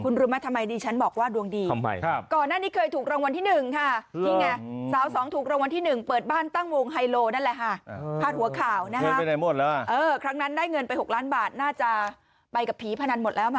เงินไปในหมวดแล้วอ่ะครั้งนั้นได้เงินไป๖ล้านบาทน่าจะไปกับผีพนันหมดแล้วนะคะ